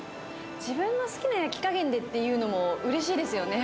自分の好きな焼き加減でっていうのもうれしいですよね。